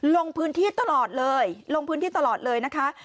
ลงพื้นที่ตลอดเลยลงพื้นที่ตลอดเลยนะคะ